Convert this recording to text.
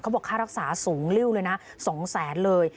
เขาบอกค่ารักษาสูงริ้วเลยนะ๒๐๐๐๐๐บาทเลย